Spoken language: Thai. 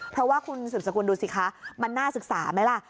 เพราะว่าคุณสืบสกุลดูสิคะมันน่าศึกษาไหมล่ะ